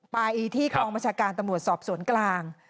ไปที่กองบัญชาการตำรวจสอบสวนกลาง